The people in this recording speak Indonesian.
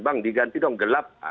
bang diganti dong gelap